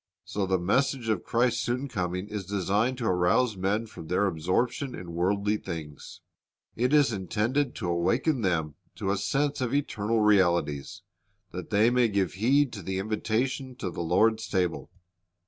So the message of Christ's soon coming is designed to arouse men from their absorption in worldly things. It is intended to awaken them to a sense of eternal realities, that they may give heed to the invitation to the Lord's table.